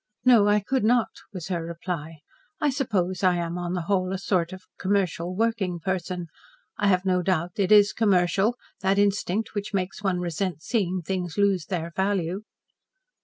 "No, I could not," was her reply. "I suppose I am on the whole a sort of commercial working person. I have no doubt it is commercial, that instinct which makes one resent seeing things lose their value."